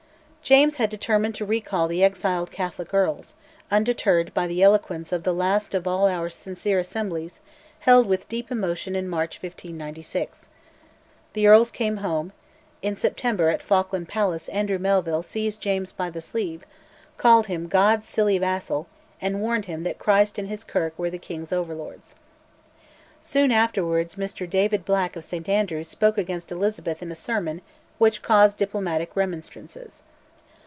James had determined to recall the exiled Catholic earls, undeterred by the eloquence of "the last of all our sincere Assemblies," held with deep emotion in March 1596. The earls came home; in September at Falkland Palace Andrew Melville seized James by the sleeve, called him "God's silly vassal," and warned him that Christ and his Kirk were the king's overlords. Soon afterwards Mr David Black of St Andrews spoke against Elizabeth in a sermon which caused diplomatic remonstrances.